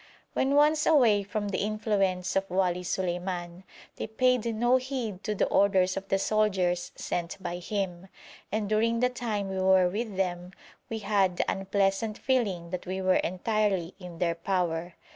When once away from the influence of Wali Suleiman, they paid no heed to the orders of the soldiers sent by him, and during the time we were with them we had the unpleasant feeling that we were entirely in their power.